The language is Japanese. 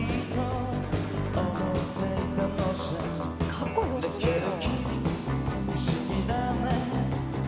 「かっこ良すぎるよ」